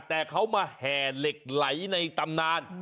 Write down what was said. แต่เขามาแห่เหล็กไหลในตำนาน